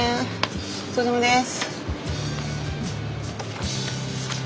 お疲れさまです。